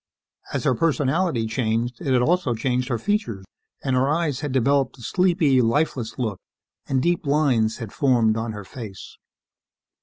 As her personality changed, it had also changed her features, and her eyes had developed a sleepy, lifeless look, and deep lines had formed on her face.